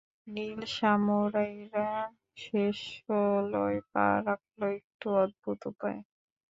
নীল সামুরাইরা শেষ ষোলোয় পা রাখল একটু অদ্ভুত উপায়ে।